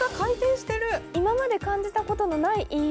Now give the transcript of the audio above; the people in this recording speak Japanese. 今まで感じたことのないＥＭＳ。